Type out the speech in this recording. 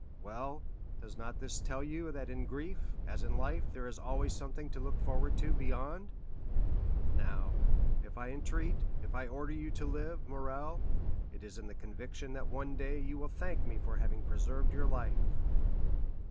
Well, does not this tell you that in grief, as in life, there is always something to look forward to beyond? Now, if I entreat, if I order you to live, Morrel, it is in the conviction that one day you will thank me for having preserved your life."